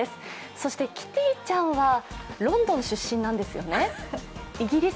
そしてキティちゃんはロンドン出身なんですよね。